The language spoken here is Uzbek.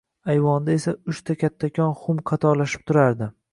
Ayvonda esa uchta kattakon xum qatorlashib turadi.